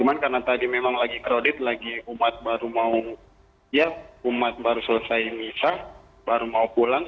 cuma karena tadi memang lagi krodit lagi umat baru mau ya umat baru selesai misah baru mau pulang